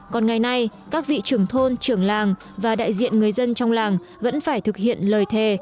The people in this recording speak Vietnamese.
còn ngày nay các vị trưởng thôn trưởng làng và đại diện người dân trong làng vẫn phải thực hiện lời thề